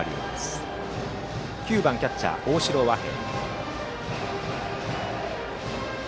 打席には９番キャッチャー、大城和平。